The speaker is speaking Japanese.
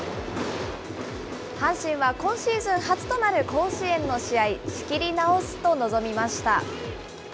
阪神は今シーズン初となる甲子園の試合、仕切り直すと臨みました。